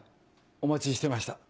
お待ちしてました。